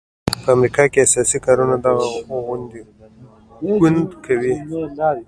په امریکا کې اساسي کارونه دغه ګوند کوي.